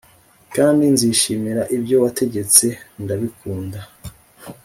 Kandi nzishimira ibyo wategetse ndabikunda